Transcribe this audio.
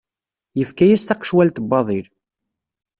Yefka-as taqecwalt n waḍil.